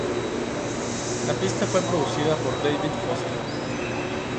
La pista fue producida por David Foster.